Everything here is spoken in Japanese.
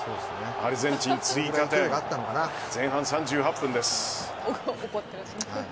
アルゼンチン、追加点前半３８分です。